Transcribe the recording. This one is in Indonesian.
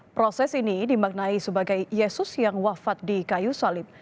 proses ini dimaknai sebagai yesus yang wafat di kayu salib